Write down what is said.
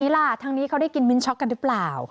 ล่ะทางนี้เขาได้กินมิ้นช็อกกันหรือเปล่า